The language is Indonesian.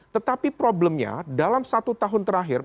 tetapi problemnya dalam satu tahun terakhir